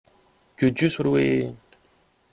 Que Dieu soit loué !